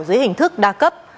dưới hình thức đa cấp